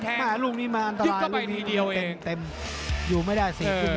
แต่ลูกนี้มันอันตรายอยู่ไม่ได้สิ